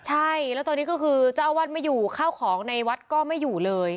ใช่แล้วตอนนี้ก็คือเจ้าอาวาสไม่อยู่ข้าวของในวัดก็ไม่อยู่เลย